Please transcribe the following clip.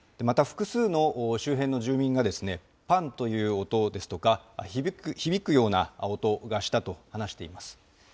また複数の周辺の住民が、ぱんという音ですとか、響くような音がしたと話しています。